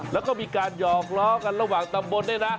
แล้วก็มีการหยอกล้อกันระหว่างตำบลด้วยนะ